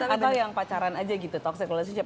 atau yang pacaran aja gitu toxic relationship